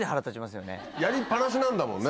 やりっ放しなんだもんね。